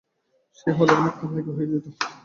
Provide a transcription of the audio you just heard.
সে হইলে অনেক কাল আগে হইয়া যাইত।